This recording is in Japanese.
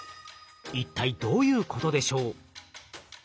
一体どういうことでしょう？